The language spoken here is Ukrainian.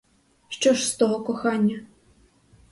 Що ж з того кохання?